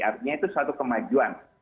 artinya itu suatu kemajuan